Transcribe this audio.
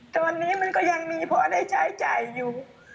ตอนนี้มันก็ยังมีเพราะได้ใช้ใช้อยู่